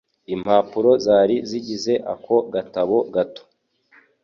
Impapuro zari zigize ako gatabo gato